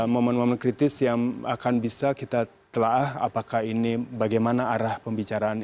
momen momen kritis yang akan bisa kita telah apakah ini bagaimana arah pembicaraan